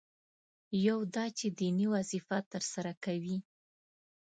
یو دا چې دیني وظیفه ترسره کوي.